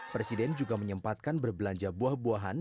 presiden juga menyempatkan berbelanja buah buahan